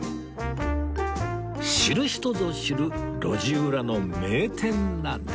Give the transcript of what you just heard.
知る人ぞ知る路地裏の名店なんです